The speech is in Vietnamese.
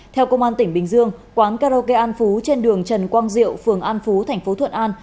theo công an tỉnh bình dương quán karaoke an phú trên đường trần quang diệu phường an phú thành phố thuận an